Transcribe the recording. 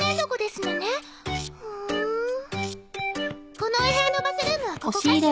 このお部屋のバスルームはここかしら？